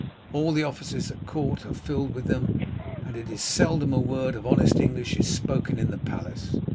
All the offices at court are filled with them, and it is seldom a word of honest English is spoken in the palace.